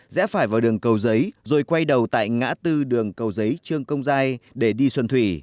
rẽ phải vào đường cầu giấy rồi quay đầu tại ngã tư đường cầu giấy trương công giai để đi xuân thủy